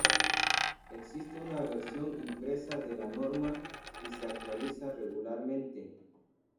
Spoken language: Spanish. Existe una versión impresa de la norma, y se actualiza regularmente.